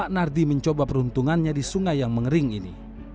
nardi mencoba peruntungannya di sungai yang mengering ini